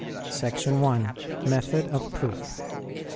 SECTION I. METHOD OF PROOF.